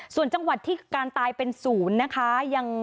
ส่วนจังหวัดที่การตายเป็นศูนย์นะคะ